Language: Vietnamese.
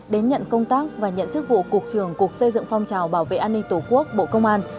đến nhận công tác và nhận chức vụ cục trưởng cục xây dựng phong trào bảo vệ an ninh tổ quốc bộ công an